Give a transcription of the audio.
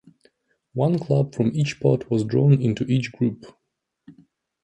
One club from each pot was drawn into each group.